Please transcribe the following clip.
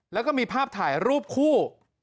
แล้วก็มีภาพถ่ายรูปคู่